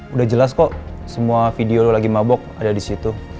udah jelas kok semua video lo lagi mabok ada di situ